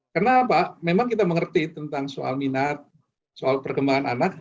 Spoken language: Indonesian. karena apa memang kita mengerti tentang soal minat soal perkembangan anak